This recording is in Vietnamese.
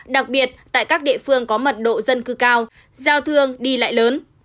đặc biệt tại các địa phương có mật độ dân cư cao giao thương đi lại lớn